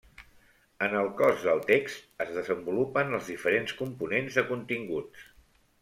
En el cos del text es desenvolupen els diferents components de continguts.